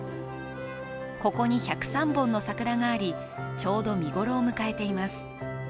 ここに１０３本の桜がありちょうど見頃を迎えています。